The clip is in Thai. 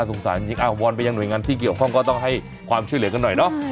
อีกบางอย่างอย่างหน่วยงานที่เกี่ยวข้องก็ต้องให้ความเชื่อเหลือกันหน่อยเนื้อ